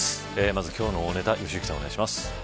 まず、今日の大ネタ良幸さん、お願いします。